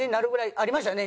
ありましたよね？